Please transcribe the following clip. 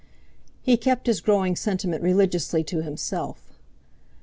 He kept his growing sentiment religiously to himself.